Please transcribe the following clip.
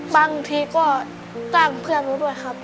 บางทีก็จ้างเพื่อนมาด้วยครับ